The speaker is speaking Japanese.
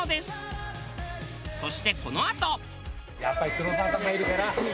そしてこのあと。えっ！